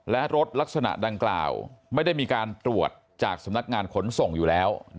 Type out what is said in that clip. และรถลักษณะดังกล่าวไม่ได้มีการตรวจจากสำนักงานขนส่งอยู่แล้ว